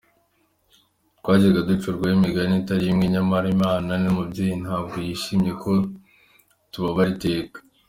Twajyaga ducurwaho imigani itari imwe nyamara Imana ni umubyeyi ntabwo yashimye ko tubabara iteka.